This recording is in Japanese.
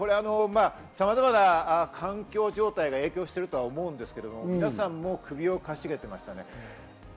さまざまな環境状態が影響しているとは思うんですけども、皆さんも首をかしげていました。